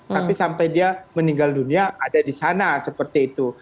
tapi sampai dia meninggal dunia ada di sana seperti itu